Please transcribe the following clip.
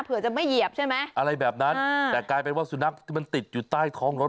จะไม่เหยียบใช่ไหมอะไรแบบนั้นแต่กลายเป็นว่าสุนัขที่มันติดอยู่ใต้ท้องรถ